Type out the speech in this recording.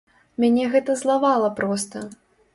Мяне гэта злавала проста.